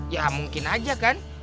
ya mungkin aja kan